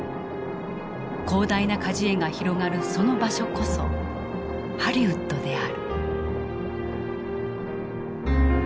広大な果樹園が広がるその場所こそハリウッドである。